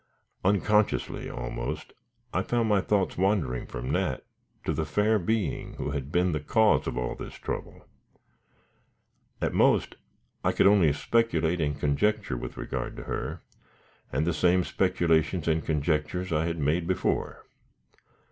Unconsciously, almost, I found my thoughts wandering from Nat to the fair being who had been the cause of all this trouble. At most, I could only speculate and conjecture with regard to her, and the same speculations and conjectures I had made before.